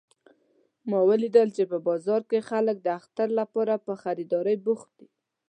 ما ولیدل چې په بازار کې خلک د اختر لپاره په خریدارۍ بوخت دي